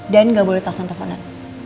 dan enggak boleh telfon telfonan